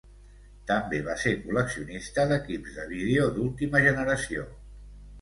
També va ser col·leccionista d'equips de vídeo d'última generació.